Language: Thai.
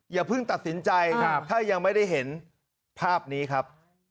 อย่าเพิ่งตัดสินใจถ้ายังไม่ได้เห็นภาพนี้ครับ